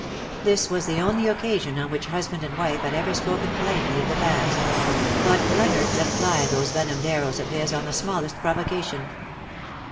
'* This was the only occasion on which husband and wife had ever spoken plainly of the past ; but Leonard let fly those venomed arrows of his on the smallest provocation.